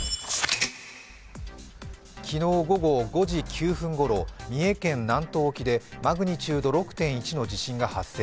昨日午後５時９分ごろ、三重県南東沖でマグニチュード６．１の地震が発生。